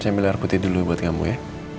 saya milih air putih dulu buat kamu ya